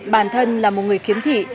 bản thân là một người kiếm thị